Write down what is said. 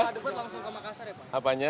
nah nanti buat obatnya